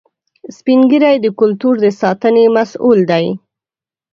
سپین ږیری د کلتور د ساتنې مسؤل دي